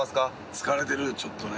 疲れてるちょっとね。